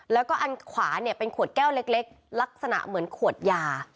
แล้วก็อันขวาเนี่ยเป็นขวดแก้วเล็กลักษณะเหมือนขวดยา